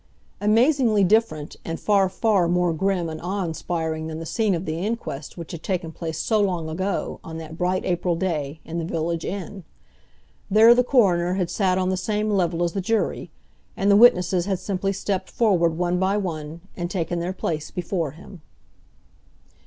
Amazingly different, and far, far more grim and awe inspiring than the scene of the inquest which had taken place so long ago, on that bright April day, in the village inn. There the coroner had sat on the same level as the jury, and the witnesses had simply stepped forward one by one, and taken their place before him.